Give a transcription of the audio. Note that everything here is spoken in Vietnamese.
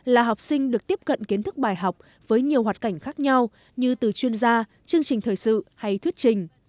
là học sinh được tiếp cận kiến thức bài học với nhiều hoạt cảnh khác nhau như từ chuyên gia chương trình thời sự hay thuyết trình